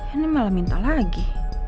ini malah minta lagi